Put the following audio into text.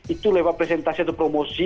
itu lewat presentasi atau promosi